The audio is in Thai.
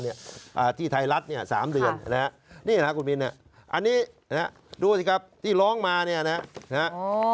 นี่นะครับคุณมินอันนี้นะครับดูสิครับที่ร้องมานี่นะครับ